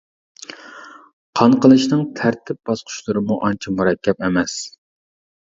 قان قىلىشنىڭ تەرتىپ باسقۇچلىرىمۇ ئانچە مۇرەككەپ ئەمەس.